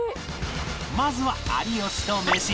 まずは有吉とメシ